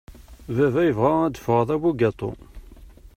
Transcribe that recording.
Baba yebɣa ad d-fɣeɣ d abugatu.